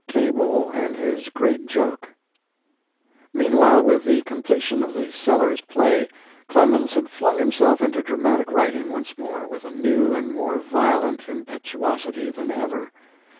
CABLE AND HIS GREAT JOKE Meanwhile, with the completion of the Sellers play Clemens had flung himself into dramatic writing once more with a new and more violent impetuosity than ever.